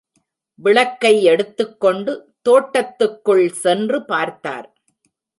விளக்கை எடுத்துக்கொண்டு தோட்டத்துக்குள் சென்று பார்த்தார்.